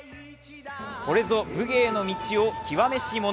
これぞ武芸の道を極めし者。